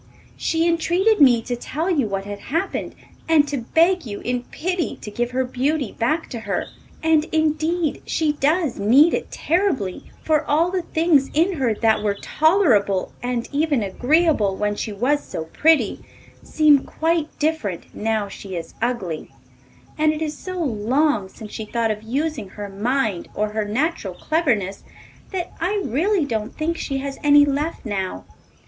She entreated me to tell you what had happened, and to beg you, in pity, to give her beauty back to her. And, indeed, she does need it terribly, for all the things in her that were tolerable, and even agreeable, when she was so pretty, seem quite different now she is ugly, and it is so long since she thought of using her mind or her natural cleverness, that I really don't think she has any left now.